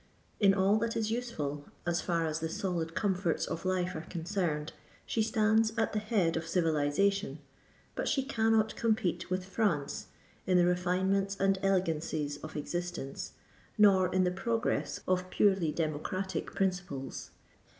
In all that is useful as far as the solid comforts of life are concerned, she stands at the head of civilisation; but she cannot compete with France in the refinements and elegancies of existence, nor in the progress of purely democratic principles.